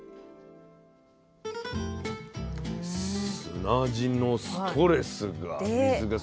砂地のストレスが。